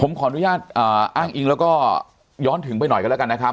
ผมขออนุญาตอ้างอิงแล้วก็ย้อนถึงไปหน่อยกันแล้วกันนะครับ